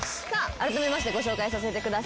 あらためましてご紹介させてください。